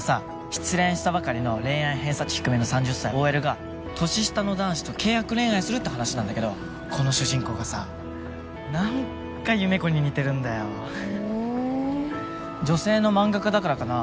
失恋したばかりの恋愛偏差値低めの３０歳ＯＬが年下の男子と契約恋愛するって話なんだけどこの主人公がさ何か優芽子に似てるんだよふん女性のマンガ家だからかな